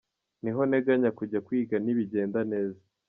Niho nteganya kujya kwiga nibigenda neza.